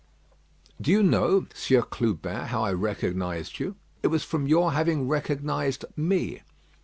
"Do you know, Sieur Clubin, how I recognised you? It was from your having recognised me.